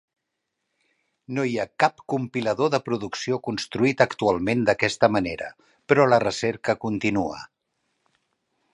No hi ha cap compilador de producció construït actualment d'aquesta manera, però la recerca continua.